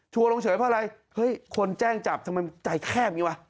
ลงเฉยเพราะอะไรเฮ้ยคนแจ้งจับทำไมมันใจแคบอย่างนี้วะ